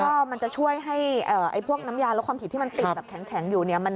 ก็มันจะช่วยให้พวกน้ำยาลดความผิดที่มันติดแบบแข็งอยู่เนี่ย